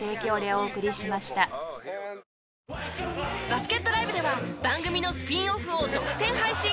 バスケットＬＩＶＥでは番組のスピンオフを独占配信。